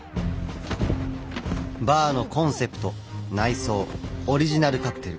バーのコンセプト内装オリジナルカクテル。